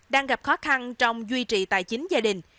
đang gặp khó khăn trong duy trì tài chính gia đình